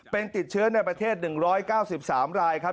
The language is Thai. เป็นติดเชื้อในประเทศ๑๙๓รายครับ